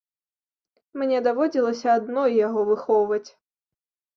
Мне даводзілася адной яго выхоўваць.